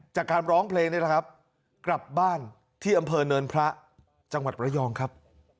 จากการร้องเพลงนี่แหละครับกลับบ้านที่อำเภอเนินพระจังหวัดระยองครับ